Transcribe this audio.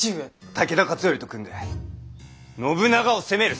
武田勝頼と組んで信長を攻める！